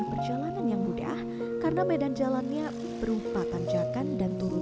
perjalanan yang mudah karena medan jalannya berupa tanjakan dan turun